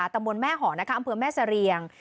ตำบลแม่หอนะคะอำเภอแม่เสรียง